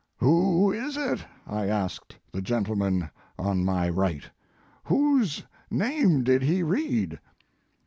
Who is it ? I asked the gentleman on my right. Whose name did he read